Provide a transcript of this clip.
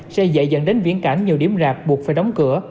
sẽ dạy dẫn đến viễn cảnh nhiều điểm rạp buộc phải đóng cửa